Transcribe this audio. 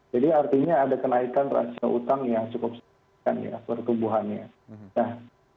jadi artinya ada kenaikan rasio utang yang cukup sedikit ya pertumbuhannya